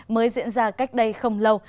mới diễn ra cách đây không lâu